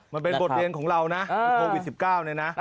มันเป็นบทเรียนของเราน่ะโควิดสิบเก้าเนี้ยน่ะ